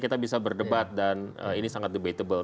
kita bisa berdebat dan ini sangat debatable